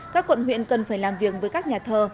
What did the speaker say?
các quận huyện cần phải làm việc với các nhà thờ